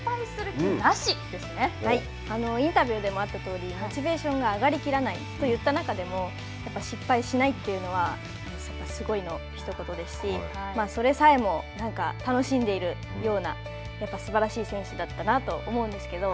インタビューでもあったとおりモチベーションが上がりきらないといった中でもやっぱり失敗しないというのはやっぱりすごいのひと言ですしそれさえも楽しんでいるようなやっぱりすばらしい選手だったなと思うんですけど